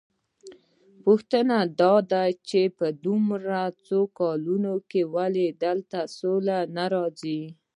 پوښتنه داده چې په دې دومره کلونو کې ولې دلته سوله نه راځي؟